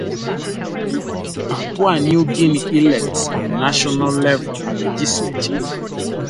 Papua New Guinea elects on national level a legislature.